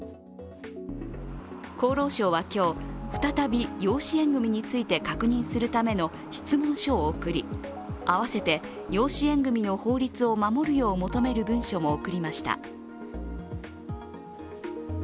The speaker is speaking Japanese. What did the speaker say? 厚労省は今日、再び養子縁組について確認するための質問書を送り合わせて養子縁組の法律を守るよう求める文書も送りました。